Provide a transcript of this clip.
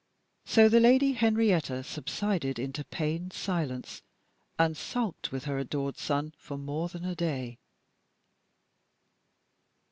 So the Lady Henrietta subsided into pained silence, and sulked with her adored son for more than a day.